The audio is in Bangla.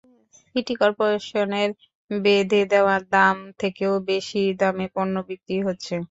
সিটি করপোরেশনের বেঁধে দেওয়া দাম থেকেও বেশি দামে পণ্য বিক্রি হচ্ছে।